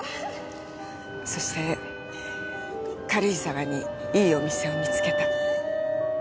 そして軽井沢にいいお店を見つけた。